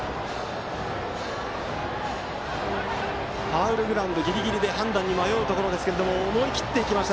ファウルグラウンドギリギリで判断に迷うところですが思い切って行きました